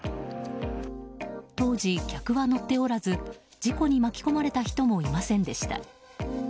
当時、客は乗っておらず事故に巻き込まれた人もいませんでした。